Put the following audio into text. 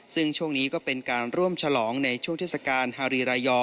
ซึ่งช่วงนี้ก็เป็นการร่วมฉลองในช่วงเทศกาลฮารีรายอร์